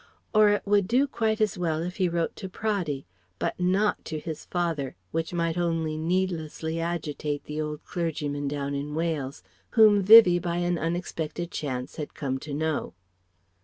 Or it would do quite as well if he wrote to Praddy; but not to his father, which might only needlessly agitate the old clergyman down in Wales, whom Vivie by an unexpected chance had come to know.